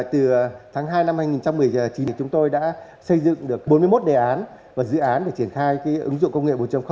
từ tháng hai năm hai nghìn một mươi chín chúng tôi đã xây dựng được bốn mươi một đề án và dự án để triển khai ứng dụng công nghệ bốn